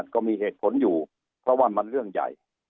ก็มีเหตุผลอยู่เพราะว่า